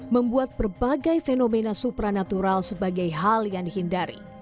membuat berbagai fenomena supranatural sebagai hal yang dihindari